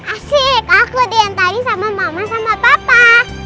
asik aku diantai sama mama sama papa